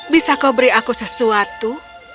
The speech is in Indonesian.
bisa kau beri aku sesuatu